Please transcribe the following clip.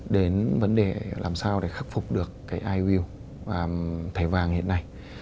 đến vấn đề làm sao để khắc phục được cái i o u thẻ vàng hiện nay